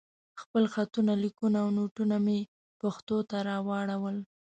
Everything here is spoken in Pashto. خپل خطونه، ليکونه او نوټونه مې پښتو ته راواړول.